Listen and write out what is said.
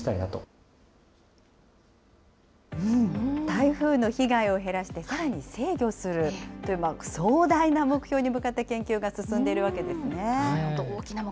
台風の被害を減らして、さらに制御するという、壮大な目標に向かって研究が進んでいるわけですね。